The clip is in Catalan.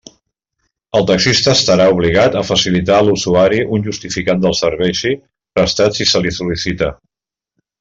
El taxista estarà obligat a facilitar a l'usuari un justificant del servici prestat si se li sol·licita.